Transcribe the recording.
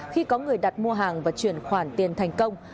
khi có người đặt mua hàng và chuyển khoản tiền thành công